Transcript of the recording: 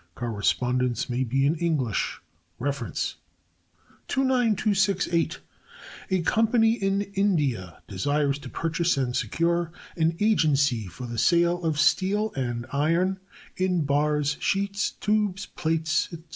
Correspondence may be in English. Reference. 29268.* A company in India desires to purchase and secure an agency for the sale of steel and iron in bars, sheets, tubes, plates, etc.